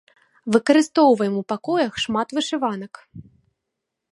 Выкарыстоўваем у пакоях шмат вышыванак.